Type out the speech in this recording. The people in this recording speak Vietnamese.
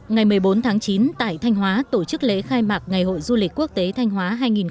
ngày một mươi bốn tháng chín tại thanh hóa tổ chức lễ khai mạc ngày hội du lịch quốc tế thanh hóa hai nghìn một mươi chín